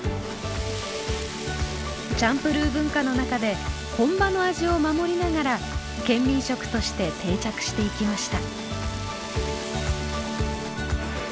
チャンプルー文化の中で本場の味を守りながら県民食として定着していきました。